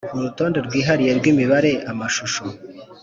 urutonde rwihariye rw imibare amashusho